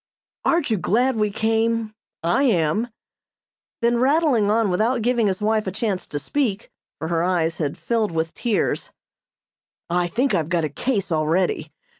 "Aren't you glad we came? I am." Then rattling on without giving his wife a chance to speak, for her eyes had filled with tears: "I think I've got a 'case' already.